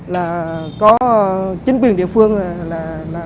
là có chính quyền địa phương là